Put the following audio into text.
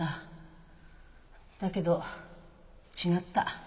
だけど違った。